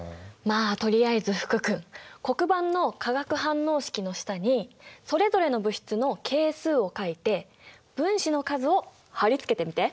まあとりあえず福君黒板の化学反応式の下にそれぞれの物質の係数を書いて分子の数を貼り付けてみて！